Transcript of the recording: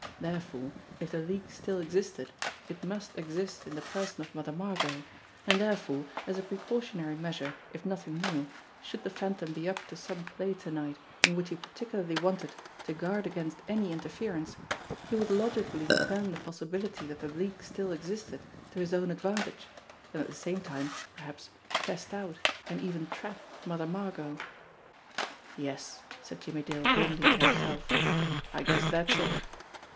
Therefore, if the 378 THE LAIR 279 leak still existed, it must exist in the person of Mother Margot, and therefore, as a precautionary measure if nothing more, should the Phantom be up to some play to night in which he particularly wanted to guard against any inter ference, he would logically turn the possibility that the leak still existed to his own advantage, and at the same time, perhaps, test out, and even trap, Mother Margot. "Yes," said Jimmie Dale grimly to himself. "I guess that's it."